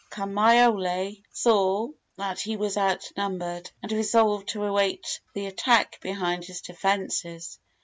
Kamaiole saw that he was outnumbered, and resolved to await the attack behind his defences.